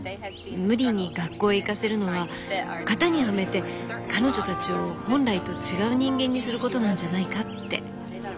「無理に学校へ行かせるのは型にはめて彼女たちを本来と違う人間にすることなんじゃないか」って。